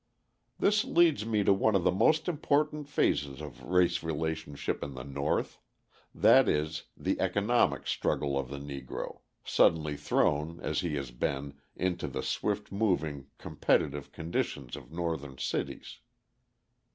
This leads me to one of the most important phases of race relationship in the North that is, the economic struggle of the Negro, suddenly thrown, as he has been, into the swift moving, competitive conditions of Northern cities.